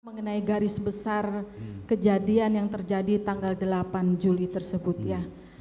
mengenai garis besar kejadian yang terjadi tanggal delapan juli tersebut ya